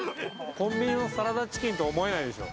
コンビニのサラダチキンとは思えないでしょ？